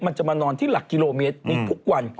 มันจะมานอนที่หลักกิโลเมตรนี้ทุกวัน